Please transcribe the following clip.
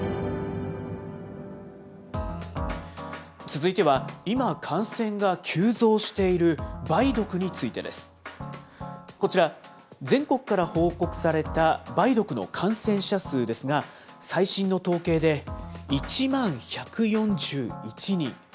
続いては、今、感染が急増している梅毒についてです。こちら、全国から報告された梅毒の感染者数ですが、最新の統計で、１万１４１人。